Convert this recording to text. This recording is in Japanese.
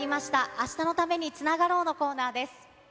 明日のために、つながろうのコーナーです。